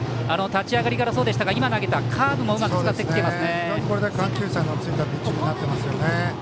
立ち上がりからそうでしたが今投げたカーブもうまく使ってきています。